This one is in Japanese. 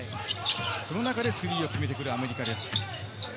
その中で、スリーを決めてくるアメリカです。